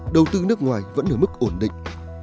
đầu tư nước ngoài vẫn ở mức ổn định